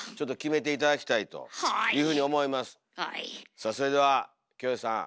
さあそれではキョエさん